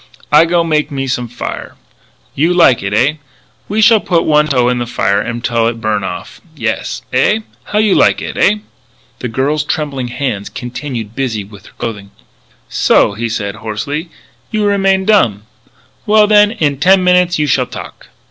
"I go make me some fire. You like it, eh? We shall put one toe in the fire until it burn off. Yes? Eh? How you like it? Eh?" The girl's trembling hands continued busy with her clothing. "So!" he said, hoarsely, "you remain dumb! Well, then, in ten minutes you shall talk!"